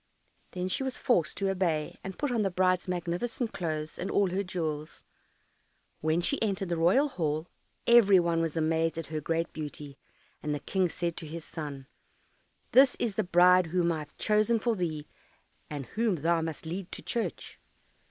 Then she was forced to obey, and put on the bride's magnificent clothes and all her jewels. When she entered the royal hall, every one was amazed at her great beauty, and the King said to his son, "This is the bride whom I have chosen for thee, and whom thou must lead to church."